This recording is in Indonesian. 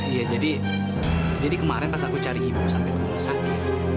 iya jadi kemarin pas aku cari ibu sampai ke rumah sakit